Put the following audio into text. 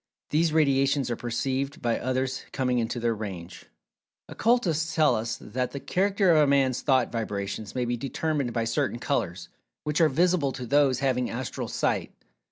These radiations are perceived by others coming into their range.[Pg 221] Occultists tell us that the character of a man's thought vibrations may be determined by certain colors, which are visible to those having "Astral Sight."